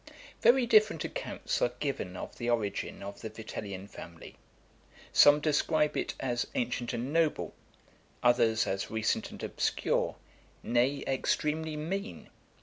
(427) I. Very different accounts are given of the origin of the Vitellian family. Some describe it as ancient and noble, others as recent and obscure, nay, extremely mean.